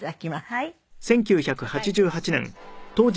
はい。